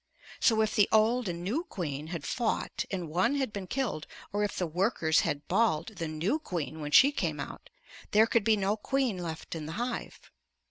So if the old and new queen had fought and one had been killed, or if the workers had "balled" the new queen when she came out, there could be no queen left in the hive.